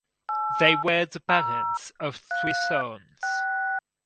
They were the parents of three sons.